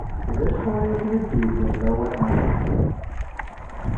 D acu ay kem-id-yewwin lawan-a?